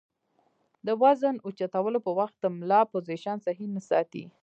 د وزن اوچتولو پۀ وخت د ملا پوزيشن سهي نۀ ساتي